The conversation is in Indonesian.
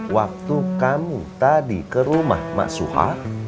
waktu kamu tadi ke rumah mak suha